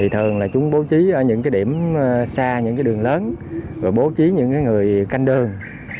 thường là chúng bố trí những điểm xa những đường lớn bố trí những người canh đường